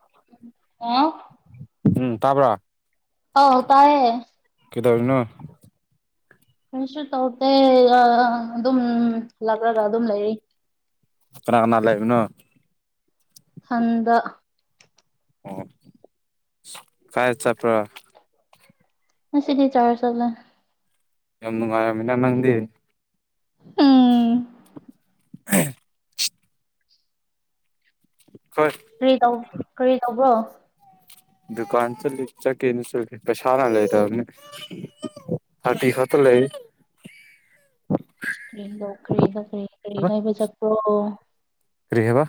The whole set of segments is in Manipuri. ꯑ ꯎꯝ ꯇꯥꯕ꯭ꯔꯥ ꯑ ꯇꯥꯏ ꯀꯗꯕꯅꯣ ꯀꯩꯁꯨ ꯇꯧꯗꯦ ꯑꯗꯨꯝ ꯂꯥꯛꯂꯒ ꯑꯗꯨꯝ ꯂꯩꯔꯤ ꯑꯅꯥꯅꯥ ꯂꯩꯕꯅꯣ ꯍꯟꯗ ꯑꯣ ꯀꯥꯏ ꯆꯄ꯭ꯔ ꯉ ꯁꯤꯗꯤ ꯆ ꯋꯥꯔꯁꯂ ꯌꯥꯝ ꯅꯨꯡꯉꯥꯏꯃꯤꯟꯅ ꯅꯪꯗꯤ ꯎꯝ ꯎ ꯍꯣꯏ ꯀꯔꯤ ꯇꯧꯕ ꯀꯔꯤ ꯇꯧꯕꯣ ꯗꯨꯀꯥꯟ ꯆꯂꯤ ꯆꯀꯤꯅꯤ ꯆ ꯄꯩꯁꯥꯅꯥ ꯂꯩꯗꯅꯤ ꯍꯥꯏ ꯍꯥꯇ ꯂꯩ ꯀꯔꯤꯗꯣ ꯈ꯭ꯔꯤꯗꯣ ꯈꯔꯤꯗ ꯀꯔꯤꯗꯕ ꯆꯞꯄ ꯔꯔꯤꯍꯦꯕ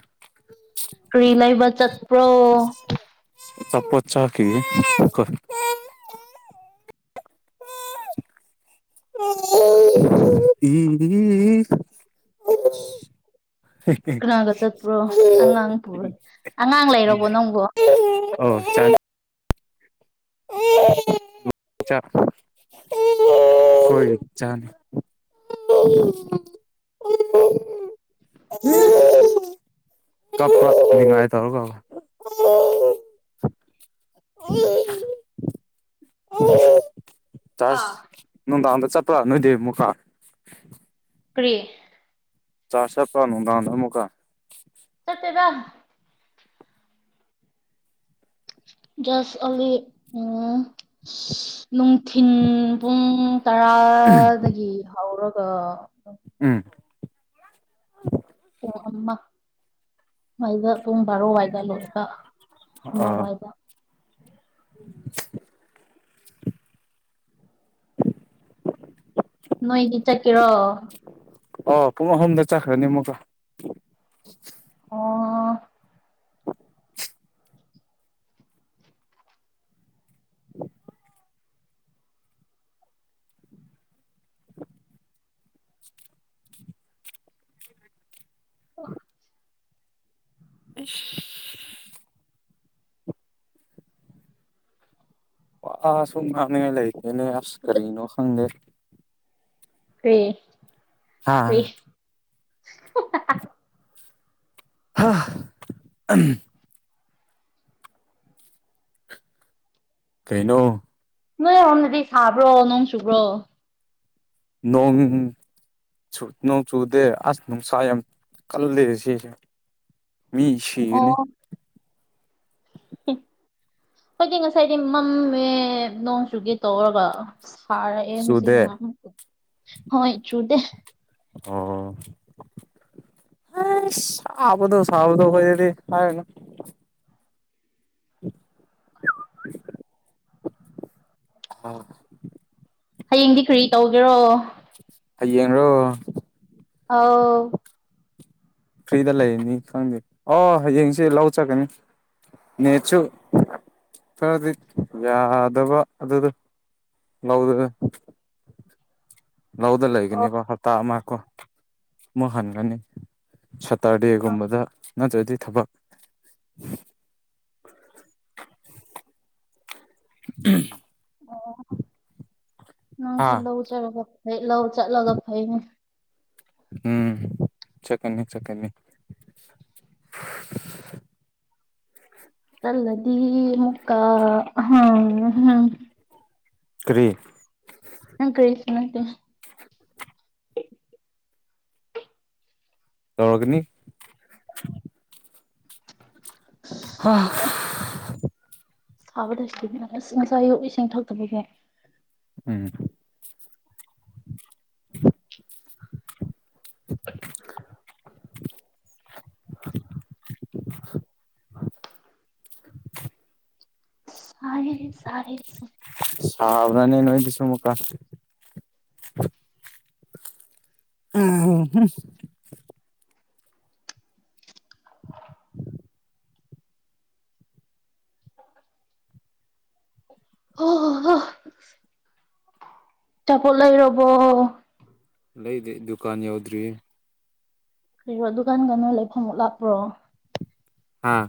ꯀꯔꯤ ꯂꯩꯕ ꯆꯠꯄ꯭ꯔꯣ ꯆꯄꯣ ꯆꯥꯛꯈꯤ ꯎ ꯏ ꯀꯅꯥꯒ ꯆꯠꯄ꯭ꯔꯣ ꯑꯉꯥꯡ ꯄꯨꯔ ꯑꯉꯥꯡ ꯂꯩꯔꯕꯣ ꯅꯪꯕꯣ ꯎꯝ ꯑꯣ ꯆꯥꯟ ꯎꯝ ꯆꯣꯏ ꯆꯅꯤ ꯎ ꯎ ꯀꯞꯄ ꯅꯤꯡꯉꯥꯢ ꯇꯔꯒ ꯆ ꯅꯨꯡꯗꯥꯡꯗ ꯆꯠꯄꯂꯥ ꯅꯣꯏꯗꯤ ꯃꯨꯀꯥ ꯀꯔꯤ ꯆꯥ ꯆꯦꯄꯥꯅꯨ ꯂꯗ ꯃꯣꯀ ꯁꯤꯗ [inaudible] ꯖꯁ ꯑꯂꯤ ꯂꯨꯊꯤꯟꯕꯨꯡ ꯇꯔꯥꯗꯒꯤ ꯍꯧꯔꯒ ꯎꯝ ꯑꯣ ꯑꯃ ꯃꯩꯗ ꯄꯨꯡ ꯕꯥꯔꯣꯋꯥꯏꯗ ꯂꯣꯏꯕ ꯑꯥ ꯑꯃꯋꯥꯏꯗ [inaudible] ꯅꯣꯏꯗꯤ ꯆꯠꯀꯦꯔꯣ ꯑꯣ ꯄꯨꯡ ꯑꯍꯨꯝꯗ ꯆꯠꯈ꯭ꯔꯅꯤ ꯑꯃꯨꯛꯀ ꯑꯣ ꯑꯣ ꯏꯁ ꯋꯥ ꯑꯁꯨꯝ ꯉꯥꯡꯅꯥꯅ ꯂꯩꯇꯦꯅꯦ ꯑꯁ ꯀꯔꯤꯅꯣ ꯈꯪꯗꯦ ꯀꯦ ꯀꯦ ꯍꯥꯥ ꯍꯥ ꯑꯍꯝ ꯀꯩꯅꯩꯅꯣ ꯅꯣꯏ ꯁꯣꯝꯗꯗꯤ ꯁꯥꯕ꯭ꯔꯣ ꯅꯣꯡ ꯆꯨꯕ꯭ꯔꯣ ꯅꯣꯡ ꯆꯨꯠꯅ ꯆꯨꯗꯦ ꯑꯁ ꯅꯨꯡꯁꯥ ꯌꯥꯝ ꯀꯜꯗꯁꯤ ꯃꯤ ꯁꯤꯅꯦ ꯍꯣꯏꯗꯤ ꯉꯁꯥꯏꯗꯤ ꯃꯝꯃꯦ ꯅꯣꯡ ꯆꯨꯒꯦ ꯇꯧꯔꯒ ꯐꯥꯔꯛꯑꯦ ꯍꯧꯖꯤꯛ ꯆꯨꯗꯦ ꯍꯣꯏ ꯆꯨꯗꯦ ꯑꯣ ꯍ ꯁꯥꯕꯗꯣ ꯁꯥꯐꯗ ꯑꯣꯏꯗꯤ ꯍꯥꯏꯅ ꯑꯣ ꯍꯌꯦꯡꯗꯤ ꯀꯔꯤ ꯇꯧꯒꯦꯔꯣ ꯍ ꯌꯦꯡꯔꯣ ꯑꯥꯎ ꯐ꯭ꯔꯤꯗ ꯂꯩꯔꯅꯤ ꯈꯪꯗꯦ ꯑꯣ ꯍꯌꯦꯡꯁꯤꯦ ꯂꯧ ꯆꯠꯀꯅꯤ ꯅꯦꯆꯨ ꯈꯔꯗꯤ ꯌꯥꯗꯕ ꯑꯗꯨꯗ ꯉꯗꯅ ꯂꯧꯗ ꯑꯣ ꯂꯩꯒꯅꯤꯕ ꯍꯞꯇꯥ ꯑꯃꯀꯣ ꯑꯃꯨꯛ ꯍꯟꯒꯅꯤ ꯁꯇꯔꯗꯦꯒꯨꯝꯕꯗ ꯅꯠꯇ꯭ꯔꯗꯤ ꯊꯕꯛ [inaudible] ꯑꯣ ꯅꯪꯒꯤ ꯍꯥ ꯂꯧ ꯆꯔ ꯍꯠ ꯂꯧ ꯆꯠꯂꯒ ꯐꯩꯅꯤ ꯎꯝ ꯆꯀ ꯆꯀ [inaudible] ꯆꯜꯂꯗꯤ ꯃꯨꯀꯥ ꯑꯝ ꯀ꯭ꯔꯤ ꯍ ꯇꯣ ꯇꯧꯔꯒꯅꯤ ꯑꯥ ꯁꯥꯕꯗꯇꯦꯅꯦ ꯑꯁ ꯉꯁꯥꯏ ꯑꯨ ꯏꯁꯤꯡ ꯊꯛꯇꯕꯒꯤꯦ ꯎꯝ [inaudible] [inaudible] [inaudible] ꯁꯥꯔꯦ ꯁꯥꯔꯦ ꯁꯥꯕ꯭ꯔꯅꯦ ꯅꯣꯏꯗꯁꯨ ꯃꯨꯀꯥ ꯎꯝ ꯍꯨ ꯍꯨꯝ ꯑꯣ ꯍꫭ ꯍꫭ ꯑꯆꯥꯄꫭꯠ ꯂꯩꯔꯕꯣ ꯂꯩꯗ꯭ꯔꯤ ꯗꯨꯀꯥꯟ ꯌꯧꯗ꯭ꯔꯤꯍꯦ ꯀꯩꯔꯣ ꯗꯨꯀꯥꯟꯒ ꯅꯣ ꯂꯩꯐꯝꯃꯨꯛ ꯂꯥꯛꯄ꯭ꯔꯣ ꯍꯥꯥ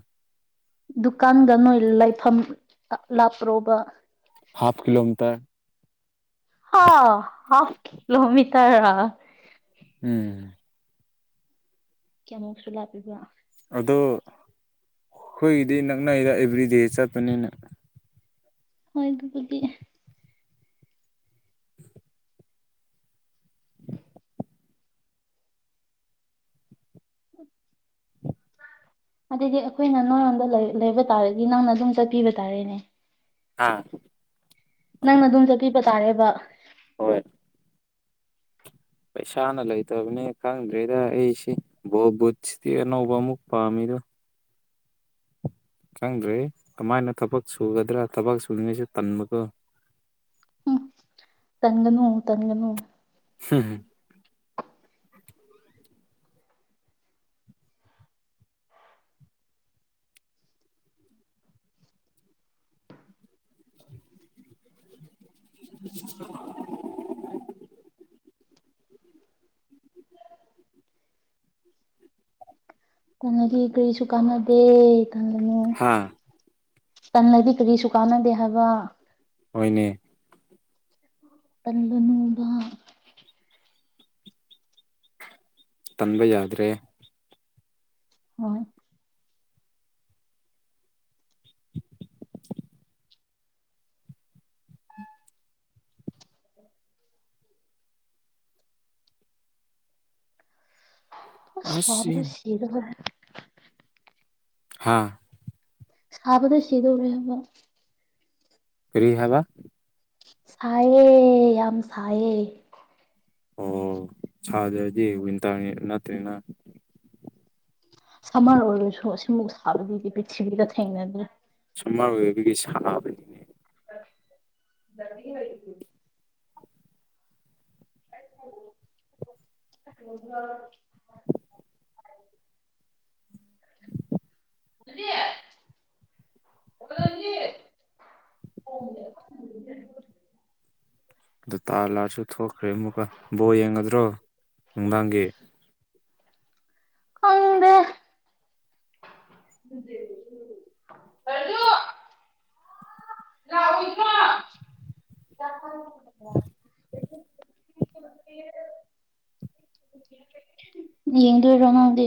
ꯗꯨꯀꯥꯟꯗ ꯅꯣꯏ ꯂꯩꯐꯝ ꯂꯥꯞꯄ꯭ꯔꯣꯕ ꯍꯥꯐ ꯀꯤꯂꯣꯃꯤꯇꯔ ꯍꯥꯂꯣꯃꯤ ꯇꯔ ꯎꯝ ꯀꯌꯥꯃꯨꯛꯁꯨ ꯂꯥꯛꯄꯤꯕ ꯑꯗꯣ ꯑꯩꯈꯣꯏꯒꯤꯗꯤ ꯅꯛꯅꯏꯗ ꯑꯦꯕ꯭ꯔꯤꯗꯦ ꯆꯠꯄꯅꯤꯅ ꯍꯣꯏ ꯑꯗꯨꯕꯨꯒ ꯑ ꯑꯗꯨꯗꯤ ꯑꯩꯈꯣꯏꯅ ꯅꯔꯣꯝꯗ ꯂꯩꯕ ꯇꯥꯔꯗꯤ ꯅꯪꯅ ꯑꯗꯨꯝ ꯆꯠꯄꯤꯕ ꯇꯥꯔꯦꯅꯦ ꯑꯥ ꯅꯪꯅ ꯑꯗꯨꯝ ꯆꯠꯄꯤꯕ ꯇꯥꯔꯦꯕ ꯍꯣꯏ ꯄꯩꯁꯥꯅ ꯂꯩꯇꯕꯅꯤ ꯈꯪꯗ꯭ꯔꯦꯗ ꯑꯩꯁꯤꯦ ꯕꯣ ꯕꯨꯠꯁꯤꯗꯤ ꯑꯅꯧꯕ ꯑꯃꯨꯛ ꯄꯥꯝꯃꯤ ꯑꯗꯨ ꯆꯪꯗ꯭ꯔꯦ ꯀꯃꯥꯏꯅ ꯊꯕꯛ ꯁꯨꯒꯗ꯭ꯔꯥ ꯊꯕꯛ ꯁꯨꯔꯤꯉꯩꯁꯨ ꯇꯟꯕꯒꯣ ꯇꯪꯒꯅꯨ ꯇꯪꯒꯅꯨ ꯍꯝ ꯍꯝ [unintelligible] ꯀꯥꯟꯅꯗꯤ ꯀꯔꯤꯁꯨ ꯀꯥꯟꯅꯗꯦ ꯀꯜꯒꯅꯨ ꯍꯥ ꯇꯜꯂꯗꯤ ꯀꯔꯤꯁꯨ ꯀꯥꯟꯅꯗꯦ ꯍꯥꯏꯕ ꯑꯣꯏꯅꯅꯦ ꯇꯜꯅꯣꯕ ꯇꯟꯕ ꯌꯥꯗ꯭ꯔꯦ ꯍꯣꯏ ꯎ ꯑ ꯑꯁ ꯁꯥꯕꯗ ꯁꯤꯗ ꯍ ꯍꯥꯥ ꯁꯥꯕꯗ ꯁꯤꯗꯧꯔꯦ ꯍꯥꯏꯕ ꯐ꯭ꯔꯤ ꯍꯕ ꯁꯥꯏꯌꯦ ꯌꯥꯝ ꯁꯥꯏꯌꯦ ꯑꯣ ꯁꯥꯖꯗꯤ ꯋꯤꯟꯇꯔ ꯅꯠꯇ꯭ꯔꯦꯅ ꯁꯝꯃꯔ ꯑꯣꯏꯔꯁꯨ ꯑꯁꯤꯃꯨꯛ ꯁꯥꯕꯗꯤꯗꯤ ꯄꯤꯔꯤꯊꯤꯕꯤꯒ ꯊꯦꯡꯅꯗ꯭ꯔꯔꯤ ꯃꯔ ꯑꯣꯏꯕꯒꯤ ꯁꯥꯟꯕꯅꯤꯅꯦ ꯔ ꯍꯥꯏꯨ ꯑꯣ [unintelligible] [unintelligible] ꯑꯗꯨ ꯇꯥꯔ ꯂꯥꯑꯔꯁꯨ ꯊꯣꯛꯈ꯭ꯔꯦ ꯑꯃꯨꯛꯀ ꯕꯣ ꯌꯦꯡꯒꯗ꯭ꯔꯣ ꯅꯨꯡꯗꯥꯡꯒꯤ ꯍꯗ ꯀ ꯔꯎ ꯀ ꯒꯤ ꯌꯦꯡ ꯇꯔꯣ ꯅꯗ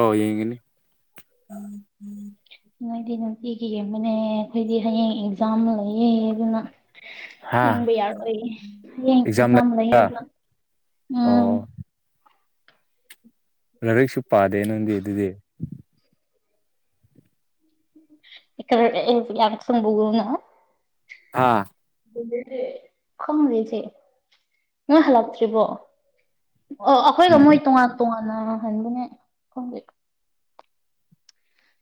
ꯑ ꯌꯦꯡꯒꯅꯤ ꯅꯣꯏꯗꯤ ꯅꯨꯡꯇꯤꯒꯤꯕꯅꯦ ꯑꯩꯈꯣꯏꯗꯤ ꯍꯌꯦꯡ ꯑꯦꯛꯖꯥꯝ ꯂꯩꯌꯦ ꯑꯗꯨꯅ ꯍꯥ ꯌꯦꯕꯨ ꯌꯥꯔ ꯌꯦ ꯑꯦꯛꯖꯥꯝ ꯆꯗ ꯌꯦ ꯂꯩꯕ꯭ꯔꯥ ꯑꯝ ꯑꯣ ꯂꯥꯏꯔꯤꯛꯁꯨ ꯄꯥꯗꯦ ꯅꯪꯗꯤ ꯑꯗꯨꯗꯤ ꯏ ꯌꯥꯁꯕꯅ ꯑꯥ ꯈꯉꯗꯦꯖꯤ ꯅ ꯍꯜꯥꯛꯇ꯭ꯔꯤꯔꯤꯕꯣ ꯑꯣ ꯑꯩꯈꯣꯏꯒ ꯎꯝ ꯃꯣꯏ ꯇꯣꯉꯥꯟ ꯇꯣꯉꯥꯟꯅꯍꯟꯕꯅꯦ ꯈꯪ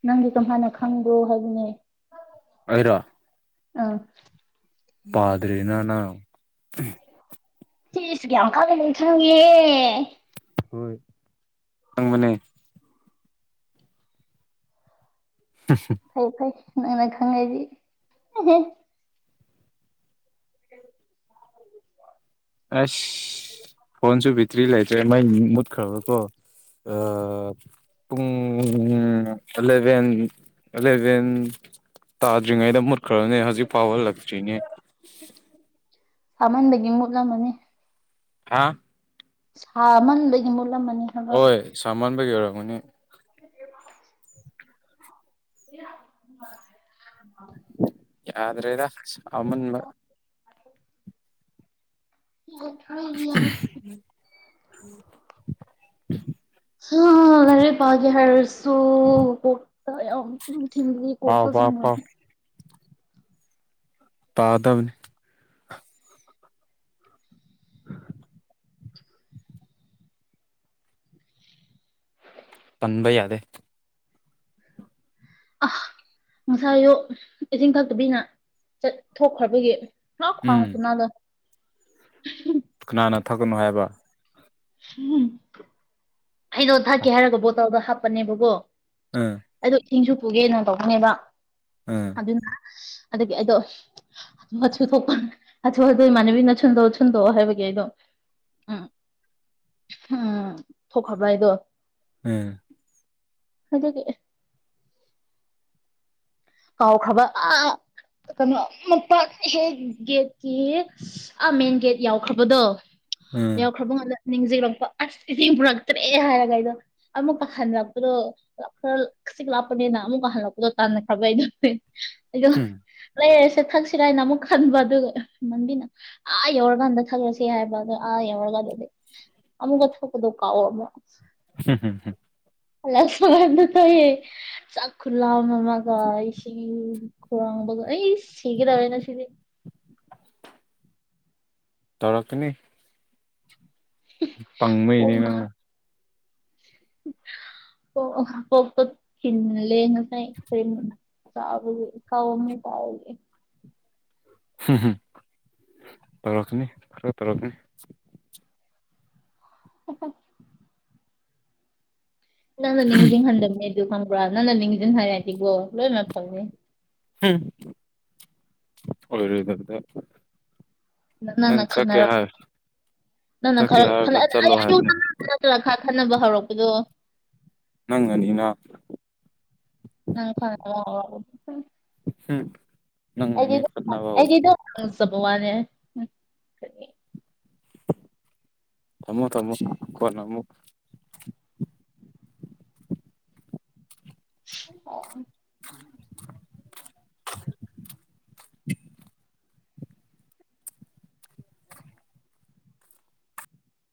ꯅꯪ ꯀꯃꯅ ꯈꯪꯣ ꯍꯅꯦ ꯑꯣꯏꯔꯣ ꯑꯥ ꯄꯥꯗ꯭ꯔꯦꯅꯅ ꯁꯤꯤꯁꯒꯦ ꯌꯥꯝ ꯀ ꯂꯩ ꯊ ꯌꯦꯦ ꯍꯣꯏ ꯆꯪꯕꯅꯦ ꯐꯩ ꯐꯩ ꯅꯪꯅ ꯈꯪꯉꯗꯤ ꯑꯁ ꯐꯣꯟꯁꯨ ꯤꯇ꯭ꯔꯤ ꯂꯩꯇ꯭ꯔꯦ ꯃꯩ ꯃꯨꯠꯈ꯭ꯔꯕꯀꯣ ꯄꯨꯡ ꯑꯦꯂꯚꯦꯟ ꯑꯦꯂꯚꯦꯟ ꯇꯥꯖꯉꯗꯨꯔ ꯈꯔꯅꯦ ꯍꯧꯖꯤꯛ ꯐꯥꯎꯕꯜꯂꯛꯇ꯭ꯔꯤꯅꯦ ꯁꯥꯃꯟꯗꯒꯤ ꯃꯨꯠꯂꯝꯃꯅꯤ ꯍꯥ ꯍ ꯃꯟꯒꯤ ꯃꯂ ꯍꯣꯏ ꯁꯃꯟꯕꯒꯤ ꯑꯣꯏꯔꯝꯒꯅꯤ ꯊ [inaudible] ꯌꯥꯗ꯭ꯔꯦꯗ ꯑꯃꯟ ꯍ ꯌꯥ ꯎꯝ ꯑ ꯅꯦ ꯒꯤ ꯍꯔꯁꯨꯨ ꯍꯇ ꯊꯤꯟꯗꯤ ꯄꯥꯎ ꯀꯣꯛꯗ ꯄꯥꯎ ꯆꯉ ꯄꯥꯎ ꯇꯥꯗꯕꯅꯤ ꯄꯟꯕ ꯌꯥꯗꯦ ꯑ ꯉꯁꯥꯏꯁꯨ ꯏꯁꯤꯡ ꯊꯛꯇꯕꯤꯅ ꯆꯠ ꯊꯣꯛꯈ꯭ꯔꯕꯒꯤ ꯂ ꯈꯉ ꯎꯝ ꯀꯅꯥꯗꯣ ꯀꯊꯛꯒꯅꯨ ꯍꯥꯏꯕ ꯍꯝ ꯍꯩꯅꯣ ꯊꯛꯀꯦ ꯍꯥꯏꯔꯒ ꯕꯣꯇꯜꯗꯣ ꯍꯥꯞꯄꯅꯦꯕꯀꯣ ꯎꯝ ꯑꯩꯗꯣ ꯏꯁꯤꯡꯁꯨ ꯄꯨꯒꯦꯅ ꯇꯧꯕꯧꯕꯅꯦꯕ ꯎꯝ ꯑꯗꯨꯅ ꯑꯗꯒꯤ ꯑꯩꯗꯣ ꯑꯆꯨ ꯊꯣꯛꯄ ꯑꯊꯨ ꯍꯥꯊꯣꯏ ꯏꯃꯥꯟꯅꯕꯤꯅ ꯁꯨꯟꯗꯣꯛꯑꯣ ꯁꯨꯟꯗꯣꯛꯑꯣ ꯍꯥꯏꯕꯒꯤ ꯑꯩꯗꯣ ꯎꯝ ꯎꯝ ꯊꯣꯛꯈꯕ ꯍꯥꯏꯗꯣ ꯎꯝ ꯑꯗꯨꯗ ꯀꯦ ꯀꯥꯎ ꯈꯕ ꯑ ꯀꯩꯅꯣ ꯃꯛꯄ ꯍꯦꯛ ꯒꯦꯠꯀꯤ ꯑꯥ ꯃꯦꯟ ꯒꯦꯠ ꯌꯥꯎꯈ꯭ꯔꯕꯗꯣ ꯎꯝ ꯌꯥꯎꯈ꯭ꯔꯕ ꯉꯥꯟꯗ ꯅꯤꯡꯁꯤꯡꯂꯛꯄ ꯑꯁꯇ ꯄꯨꯔꯛꯇ꯭ꯔꯦ ꯍꯥꯏꯔꯒ ꯑꯩꯗꯣ ꯑꯃꯨꯛꯀ ꯍꯟꯔꯛꯄꯗꯣ ꯈꯔ ꯈꯁꯤꯛ ꯂꯥꯛꯞꯄꯅꯤꯅ ꯑꯃꯨꯛꯀ ꯍꯜꯂꯛꯄꯗꯣ ꯇꯥꯟꯅꯈ꯭ꯔꯕꯩꯗꯅꯦꯗꯣ ꯍꯝ ꯂꯩꯔ ꯊꯛꯁꯤꯔ ꯍꯥꯏꯅ ꯑꯃꯨꯛ ꯈꯟꯕ ꯑꯗꯨꯒ ꯃꯟꯗꯤꯅ ꯑꯥ ꯌꯧꯔꯀꯥꯟꯗ ꯊꯛꯂꯁꯤ ꯍꯥꯏꯕ ꯑꯣ ꯑꯥ ꯌꯧꯔꯒꯥꯟ ꯑꯃꯨꯛꯀ ꯊꯣꯛ ꯀꯗ ꯀꯥꯥꯎ ꯑꯃ ꯍꯝ ꯍꯝꯝ ꯑ ꯁꯃꯗ ꯇꯌꯦ ꯆꯥꯛꯈꯨꯂꯃ ꯏ ꯁꯤ ꯈꯔ ꯑꯩ ꯁꯤꯒꯗꯦꯅ ꯁꯤꯗꯤ ꯇꯔꯛꯀꯅꯤ ꯄꯪꯕꯅꯦꯅ ꯄꯄ ꯆꯅ ꯂꯩꯦ ꯆꯒꯦ ꯀꯥꯎ ꯑꯃꯨ ꯇꯥꯎꯒꯦ ꯇꯔꯛꯀꯅꯤꯔ ꯇꯔꯛꯅꯤ ꯑ ꯅꯪꯅ ꯅꯤꯡꯁꯤꯡ ꯍꯟꯗꯝꯕꯅꯤ ꯑꯗꯨ ꯈꯪꯕ꯭ꯔꯥ ꯅꯪꯅ ꯅꯤꯡꯁꯤꯡ ꯍꯥꯏꯗꯤꯕꯣ ꯂꯣꯏꯅ ꯐꯝꯅꯤ ꯎꯝ ꯑꯣꯏꯗꯗ ꯅ ꯅ ꯈꯗꯅꯔ ꯅꯪꯅ ꯆꯠꯀꯦ ꯈꯔ ꯍꯥꯏꯔꯒ ꯆꯠꯂꯣ ꯍꯥꯏꯕꯅꯦ ꯅ ꯈꯔ ꯈꯟꯅꯕ ꯍꯧꯔꯛꯄꯗꯣ ꯅꯪꯉꯅꯤꯅ ꯑ ꯐ ꯍꯝ ꯑꯩꯩꯗ ꯆꯕ ꯋꯥꯅꯦꯦ ꯊꯝꯃꯣ ꯊꯃꯨꯛ ꯀꯅ ꯑꯃꯨꯛ [inaudible] ꯑꯣ